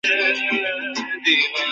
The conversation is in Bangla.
তাহলে তাকে এখানে নিয়ে আসো।